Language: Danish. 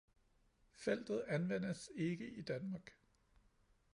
Feltet anvendes ikke i Danmark